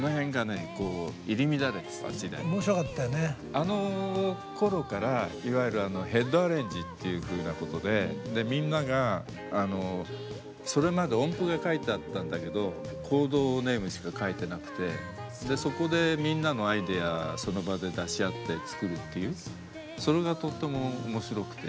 あのころからいわゆるヘッドアレンジっていうふうなことでみんながそれまで音符が書いてあったんだけどコードネームしか書いてなくてそこでみんなのアイデアその場で出し合って作るっていうそれがとっても面白くて。